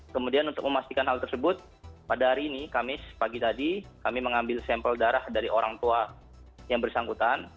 kemudian untuk memastikan hal tersebut pada hari ini kamis pagi tadi kami mengambil sampel darah dari orang tua yang bersangkutan